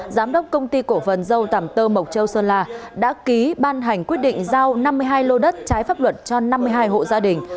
giám đốc công ty cổ phần dâu tầm tơ mộc châu sơn la đã ký ban hành quyết định giao năm mươi hai lô đất trái pháp luật cho năm mươi hai hộ gia đình